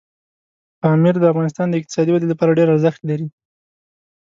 پامیر د افغانستان د اقتصادي ودې لپاره ډېر ارزښت لري.